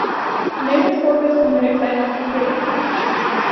Neem het voorbeeld van de richtlijn over trillingen.